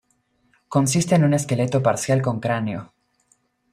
Consiste en un esqueleto parcial con cráneo.